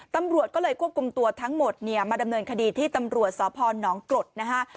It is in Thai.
ตำรวจก็เลยควบคุมตัวทั้งหมดเนี่ยมาดำเนินคดีที่ตำรวจสพนกรดนะฮะ